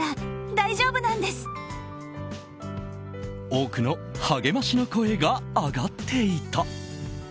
多くの励ましの声が上がっていた。